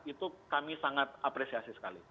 itu kami sangat apresiasi sekali